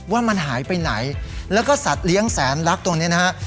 ว่ามันหายไปไหนแล้วก็สัตว์เลี้ยงแสนรักตรงนี้นะฮะ